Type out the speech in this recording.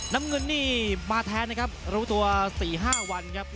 นำเงินนี่มาแท้เนี่ยครับรูตัวสี่ห้าวันครับ